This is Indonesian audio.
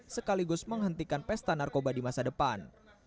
sekaligus menghentikan pesta narkoba di masa depan